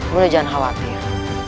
bunda jangan khawatir